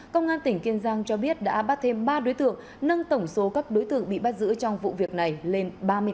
công an tỉnh kiên giang cho biết đã bắt thêm ba đối tượng nâng tổng số các đối tượng bị bắt giữ trong vụ việc này lên ba mươi tám